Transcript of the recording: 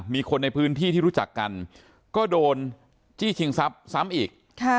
มีคนในพื้นที่ที่รู้จักกันก็โดนจี้ชิงทรัพย์ซ้ำอีก